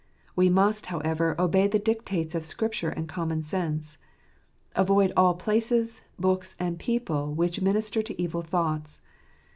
We must, however, obey the dictates of Scripture and common sense. Avoid all places, books, and people which minister to evil thoughts.